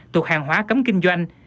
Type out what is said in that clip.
thuộc hàng hóa cấm kinh doanh